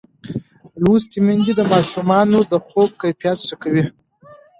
لوستې میندې د ماشومانو د خوب کیفیت ښه کوي.